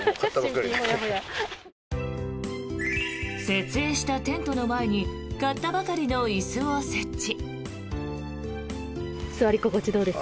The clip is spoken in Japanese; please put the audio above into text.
設営したテントの前に買ったばかりの椅子を設置。